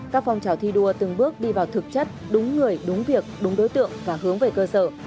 các phong trào thi đua từng bước đi vào thực chất đúng người đúng việc đúng đối tượng và hướng về cơ sở